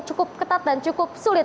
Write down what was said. cukup ketat dan cukup sulit